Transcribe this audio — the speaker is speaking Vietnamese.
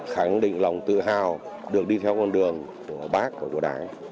khẳng định lòng tự hào được đi theo con đường của bác của đảng